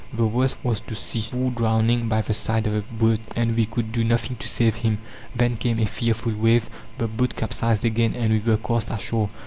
The worst was to see poor drowning by the side of the boat, and we could do nothing to save him. Then came a fearful wave, the boat capsized again, and we were cast ashore.